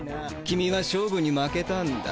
キミは勝負に負けたんだ。